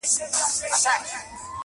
د بوډۍ ټال به مي په سترګو کي وي -